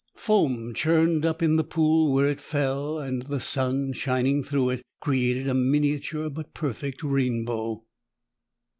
Foam churned up in the pool where it fell and the sun, shining through it, created a miniature but perfect rainbow.